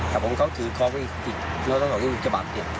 แต่ผมเขาถือเคาะไว้ติดนตศอุจจบับ